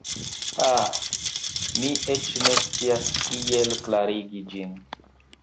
Aĥ, mi eĉ ne scias kiel klarigi ĝin.